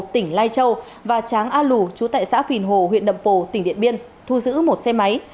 tỉnh lai châu và tráng a lù chú tại xã phìn hồ huyện nậm pồ tỉnh điện biên thu giữ một xe máy